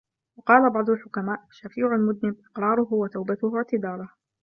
وَقَالَ بَعْضُ الْحُكَمَاءِ شَفِيعُ الْمُذْنِبِ إقْرَارُهُ ، وَتَوْبَتُهُ اعْتِذَارُهُ